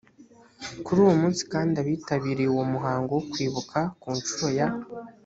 kuri uwo munsi kandi abitabiriye uwo muhango wo kwibuka ku nshuro ya